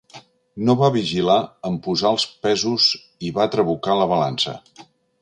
No va vigilar en posar els pesos i va trabucar la balança.